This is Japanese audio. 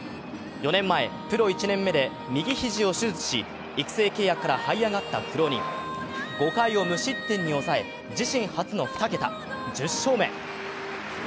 ４年前、プロ１年目で右肘を手術し育成契約からはい上がった苦労人、５回を無失点に抑え自身初の２桁、１０勝目。